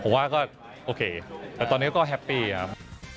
ผมว่าก็โอเคแต่ตอนนี้ก็แฮปปี้ครับ